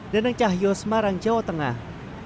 danang cahyo semarang jawa tengah